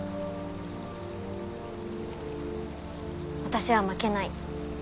私は負けない。